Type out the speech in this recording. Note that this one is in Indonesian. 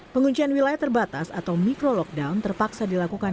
penguncian wilayah terbatas atau micro lockdown terpaksa dilakukan